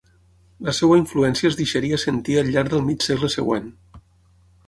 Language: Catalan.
La seva influència es deixaria sentir al llarg del mig segle següent.